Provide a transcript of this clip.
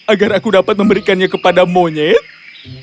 agar aku dapat memberikannya kepada anjing ungu